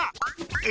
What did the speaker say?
え？